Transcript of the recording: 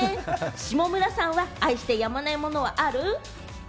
下村さんは愛してやまないものはある？